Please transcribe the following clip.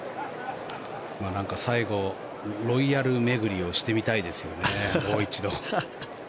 最後、ロイヤル巡りをしてみたいですよね、もう一度。